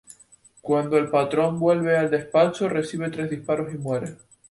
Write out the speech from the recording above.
Cuando el patrón vuelve al despacho, recibe tres disparos y muere.